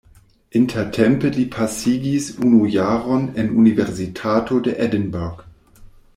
Intertempe li pasigis unu jaron en Universitato de Edinburgh.